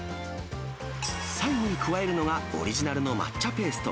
最後に加えるのが、オリジナルの抹茶ペースト。